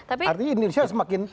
artinya indonesia semakin